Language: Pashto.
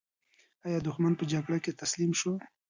ایا دښمن په جګړه کې تسلیم شو؟